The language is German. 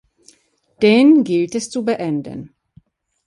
Den gilt es zu beenden.